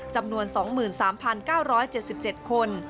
จำนวน๒๓๙๗๗คน